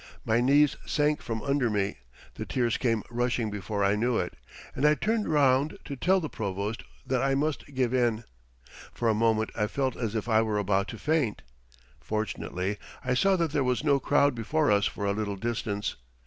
My knees sank from under me, the tears came rushing before I knew it, and I turned round to tell the Provost that I must give in. For a moment I felt as if I were about to faint. Fortunately I saw that there was no crowd before us for a little distance.